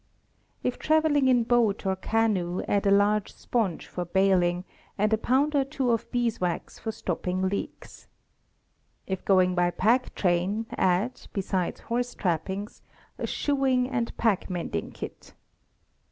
If traveling in boat or canoe, add a large sponge for bailing, and a pound or two of beeswax for stopping leaks. If going by pack train, add, besides horse trappings, a shoeing and pack mending kit.